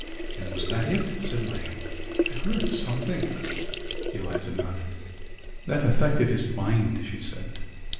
"And was that it?" said my aunt. "I heard something...." Eliza nodded. "That affected his mind," she said.